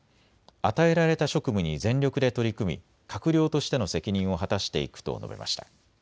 与えられた職務に全力で取り組み閣僚としての責任を果たしていくと述べました。